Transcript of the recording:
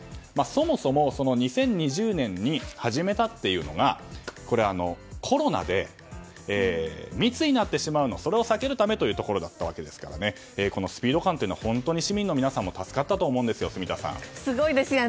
そもそも２０２０年に始めたっていうのがコロナで密になってしまうのを避けるためというところだったわけですからこのスピード感というのは本当に市民の皆さんもすごいですね。